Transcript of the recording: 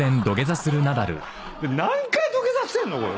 何回土下座してんの？